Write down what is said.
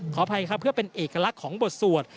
ขออภัยครับเพื่อเป็นเอกลักษณ์ของบทสวด